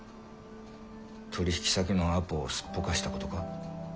取引先のアポをすっぽかしたことか？